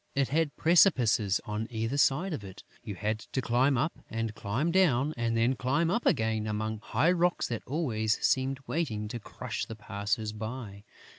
It had precipices on either side of it; you had to climb up and climb down and then climb up again among high rocks that always seemed waiting to crush the passers by.